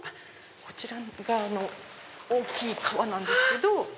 こちらが大きい革なんですけど。